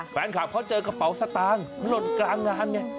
สภาคพว่าเจอกระเป๋าสตางก์สลดกลางงานไง